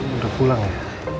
udah pulang ya